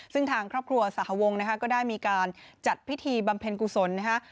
ซึ่งทางครอบครัวสหวงนะคะก็ได้มีการจัดพิธีบำเพ็ญกุศลนะฮะ